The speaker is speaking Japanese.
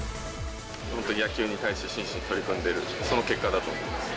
本当野球に対して、真摯に取り組んでいる、その結果だと思います。